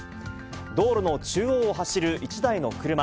道路の中央を走る１台の車。